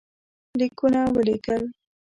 لیکونه ولېږل.